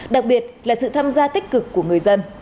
đặc biệt là sự tham gia tích cực của người dân